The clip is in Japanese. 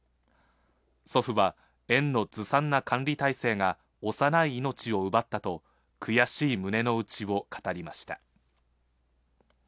祖父は、園のずさんな管理体制が、幼い命を奪ったと、悔しい胸の内を語りました。